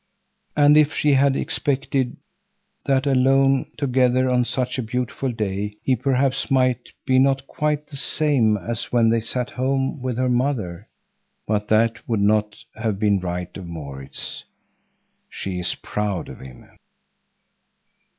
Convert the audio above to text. And if she had expected that alone together on such a beautiful day he perhaps might be not quite the same as when they sat at home with her mother—but that would not have been right of Maurits. She is proud of him.